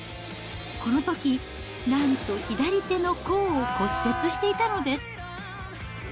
このとき、なんと左手の甲を骨折していたのです。